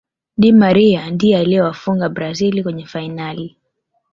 di Maria ndiye aliyewafunga brazil kwenye fainali